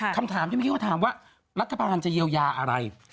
คำถามที่เมื่อกี้เขาถามว่ารัฐบาลจะเยียวยาอะไร